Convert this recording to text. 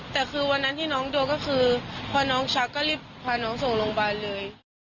แต่คือวันนั้นที่น้องโดนก็คือพอน้องชักก็รีบพาน้องส่งโรงพยาบาลเลย